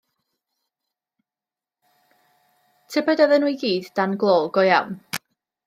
Tybed oedden nhw i gyd dan glo go iawn?